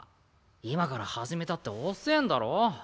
今から始めたって遅ぇんだろ？